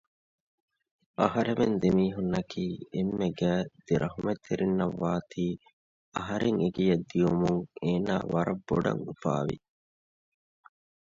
އަހަރެމެން ދެމީހުންނަކީ އެންމެ ގާތް ދެ ރަޙުމަތްތެރިންނަށް ވާތީ އަހަރެން އެގެއަށް ދިޔުމުން އޭނާ ވަރަށް ބޮޑަށް އުފާވި